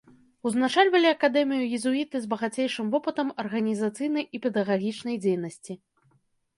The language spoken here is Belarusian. Узначальвалі акадэмію езуіты з багацейшым вопытам арганізацыйнай і педагагічнай дзейнасці.